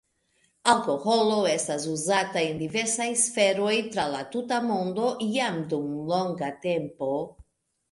Alkoholo estas uzata en diversaj sferoj tra la tuta mondo jam dum longa tempo.